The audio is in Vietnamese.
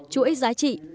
chuỗi giá trị